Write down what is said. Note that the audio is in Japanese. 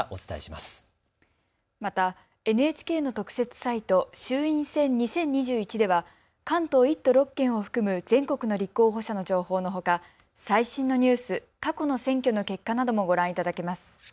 また、ＮＨＫの特設サイト衆院選２０２１では関東１都６県を含む全国の立候補者の情報のほか最新のニュース、過去の選挙の結果などもご覧いただけます。